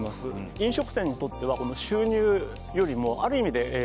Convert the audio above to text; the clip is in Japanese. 飲食店にとってはこの収入よりもある意味でええ